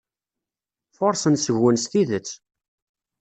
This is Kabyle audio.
Furṣen seg-wen s tidet.